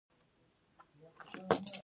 د سړکونو پاکول منظم دي؟